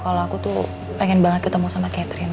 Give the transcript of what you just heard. kalau aku tuh pengen banget ketemu sama catherine